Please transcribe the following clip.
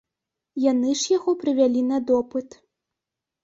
Яны ж яго прывялі на допыт.